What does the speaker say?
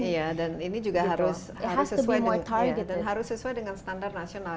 iya dan ini juga harus sesuai dengan standar nasional